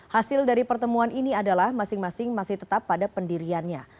hasil dari pertemuan ini adalah masing masing masih tetap pada pendiriannya